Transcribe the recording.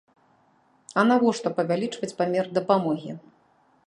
А навошта павялічваць памер дапамогі?